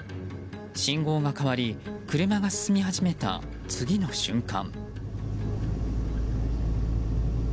信号が変わり車が進み始めた次の瞬間。